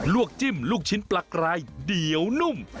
จิ้มลูกชิ้นปลากรายเดี่ยวนุ่ม